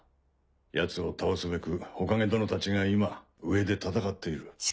ヤツを倒すべく火影殿たちが今上で戦っている。